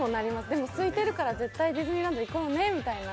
でも空いてるから絶対ディズニーランド行こうねみたいな。